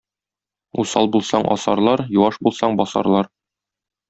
Усал булсаң асарлар, юаш булсаң басарлар.